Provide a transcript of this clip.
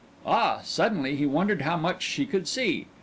Ah suddenly he wondered how much she could see.